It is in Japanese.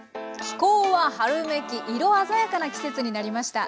気候は春めき色鮮やかな季節になりました。